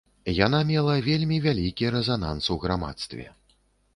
Яна мела вельмі вялікі рэзананс ў грамадстве.